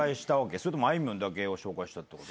それともあいみょんだけを紹介したってこと？